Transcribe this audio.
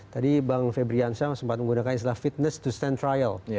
tadi bang febriansyah sempat menggunakan istilah fitness to stand trial